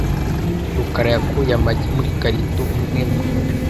rukara yakuye amagi muri karito umwe umwe .